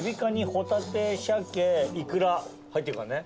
ホタテシャケイクラ入ってるからね。